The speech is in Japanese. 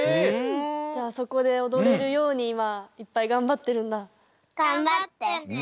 じゃあそこでおどれるようにいまいっぱいがんばってるんだ？